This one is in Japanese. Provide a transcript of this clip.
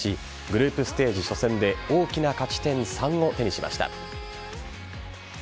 グループステージ初戦で大きな勝ち点３を手にしました。